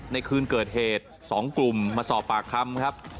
ในคืนเกิดเหตุ๒กลุ่มมาสอบปากคำครับ